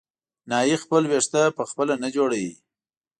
نایي خپل وېښته په خپله نه جوړوي.